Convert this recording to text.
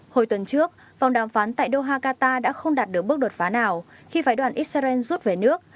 hồi tuần trước vòng đàm phán tại doha qatar đã không đạt được bước đột phá nào khi phái đoàn israel rút về nước